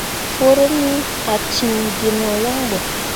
Forummi ah ciŋ gi no yaŋ ɓo.